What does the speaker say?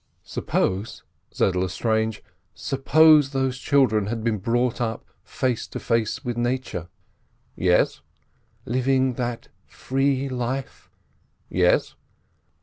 "Suppose," said Lestrange, "suppose those children had been brought up face to face with Nature—" "Yes?" "Living that free life—" "Yes?"